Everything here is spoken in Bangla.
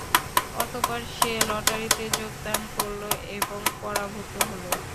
অতঃপর সে লটারীতে যোগদান করল এবং পরাভূত হল।